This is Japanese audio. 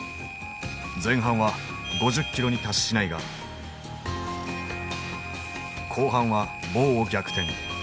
前半は５０キロに達しないが後半はボウを逆転。